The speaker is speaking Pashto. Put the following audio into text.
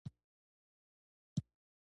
ملا پاچا د پیر بابا په مزار کې ملا وو.